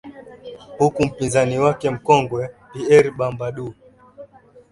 huku mpinzani wake mkongwe pier bambadou